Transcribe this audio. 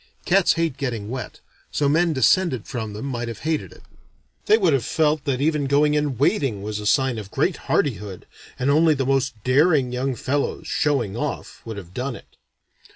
Cats hate getting wet, so men descended from them might have hated it. They would have felt that even going in wading was sign of great hardihood, and only the most daring young fellows, showing off, would have done it.